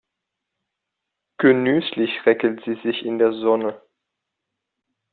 Genüsslich räkelt sie sich in der Sonne.